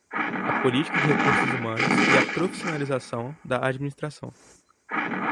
A política de recursos humanos e a profissionalização da administração